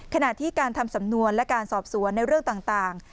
ขณะที่การทำสำนวนและการสอบสวนในเรื่องต่าง